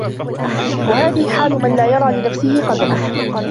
وَهَذِهِ حَالُ مَنْ لَا يَرَى لِنَفْسِهِ قَدْرًا